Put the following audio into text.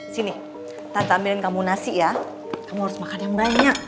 sini tanpa ambilin kamu nasi ya kamu harus makan yang banyak